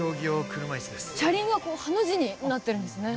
車輪がハの字になってるんですね